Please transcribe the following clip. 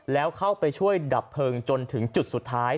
แล้วเข้าไปช่วยดับเพลิงจนถึงจุดสุดท้าย